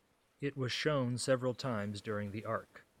It was shown several times during the arc.